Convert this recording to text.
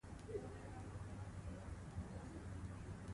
هنر د انسان د تخیل د الوت لپاره وزرونه ورکوي.